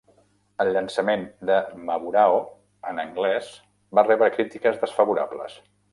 El llançament de "Maburaho" en anglès va rebre crítiques desfavorables.